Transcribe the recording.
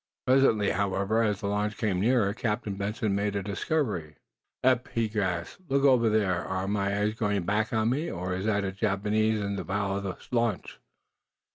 Presently, however, as the launch came nearer, Captain Benson made a discovery. "Eph," he gasped, "look over there! Are my eyes going back on me, or is that a Japanese in the bow of the launch?"